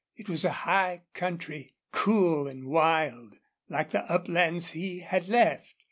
It was a high country, cool and wild, like the uplands he had left.